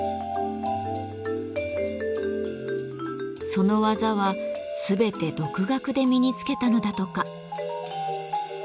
その技は全て独学で身につけたのだとか。